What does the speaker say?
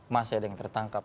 masih ada yang tertangkap